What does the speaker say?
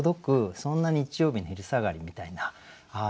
そんな日曜日の昼下がりみたいなああ